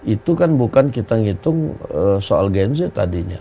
itu kan bukan kita ngitung soal gnz tadi